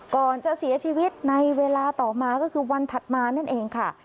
ก่อนจะเสียชีวิตในเวลาต่อมาก็คือวันถัดมานั่นเองค่ะ